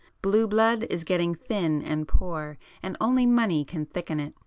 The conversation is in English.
'Blue' blood is getting thin and poor, and only money can thicken it.